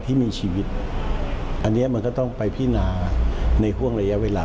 ที่มีชีวิตอันนี้มันก็ต้องไปพินาในห่วงระยะเวลา